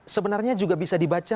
sebenarnya juga bisa dibaca